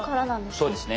そうですね。